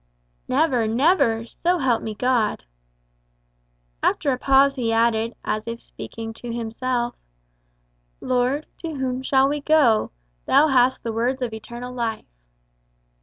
"Never, never so help me God!" After a pause he added, as if speaking to himself, "Lord, to whom shall we go? Thou hast the words of eternal life."